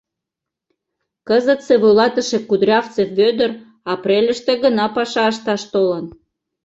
Кызытсе вуйлатыше Кудрявцев Вӧдыр апрельыште гына паша ышташ толын.